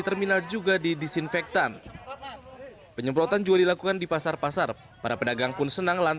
terminal juga di disinfektan penyemprotan juga dilakukan di pasar pasar para pedagang pun senang